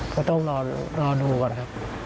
ก็ต้องรอดูก่อนครับ